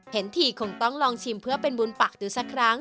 เห็นทีคงต้องลองชิมเพื่อเป็นบุญฝากดูสักครั้ง